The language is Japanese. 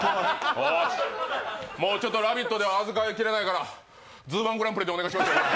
もう「ラヴィット！」では扱いきれんから、「ＺＯＯー１グランプリ」でお願いします。